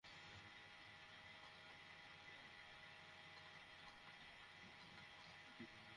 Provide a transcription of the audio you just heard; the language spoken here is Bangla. তিনি অভিযোগ করেন, বাবুল চাইলেও তাঁকে কাজে যোগ দিতে দেওয়া হয়নি।